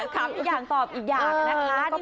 คำที่อยากตอบอีกอย่างนะคะ